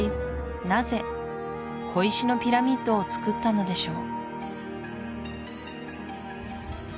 なぜ小石のピラミッドを作ったのでしょう？